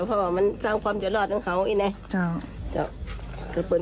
เพราะสร้างความจะรอดของเค้าเนี่ย